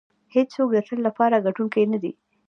هېڅوک د تل لپاره ګټونکی نه دی.